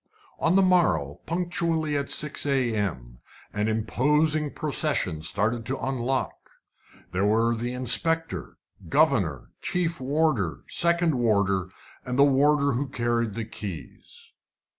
On the morrow, punctually at 6 a.m., an imposing procession started to unlock. There were the inspector, governor, chief warder, second warder, and the warder who carried the keys.